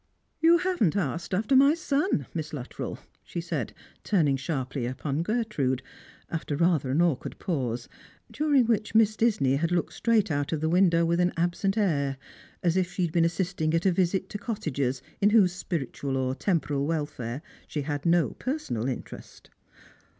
" You hiiven't asked after my sou, Miss Luttrell," she said, turning sharply upon Gertrude, after rather an awkward pause, daring which Miss Disney had looked straight out of the win dow with an absent air, as if she had been assisting at a visit to cottagers in whose spiritual or temi^oral welfare she had no personal interest.